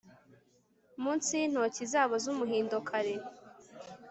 Munsi yintoki zabo zumuhindo kare